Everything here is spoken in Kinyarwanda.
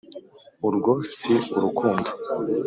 urwo si urukundo